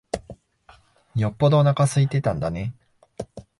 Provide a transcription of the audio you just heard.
よっぽどおなか空いてたんだね。